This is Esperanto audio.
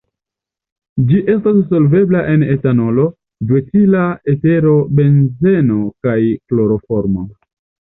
Ĝi estas solvebla en etanolo, duetila etero, benzeno kaj kloroformo.